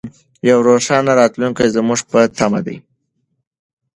یو روښانه راتلونکی زموږ په تمه دی.